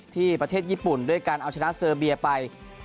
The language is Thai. ที่ประเทศญี่ปุ่นด้วยการเอาชนะเซอร์เบียไป